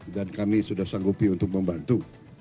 dan kami sudah sanggupi untuk membantu